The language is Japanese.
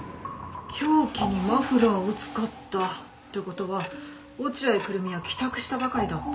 凶器にマフラーを使ったって事は落合久瑠実は帰宅したばかりだったって事？